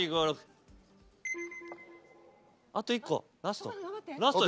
あと１個ラスト？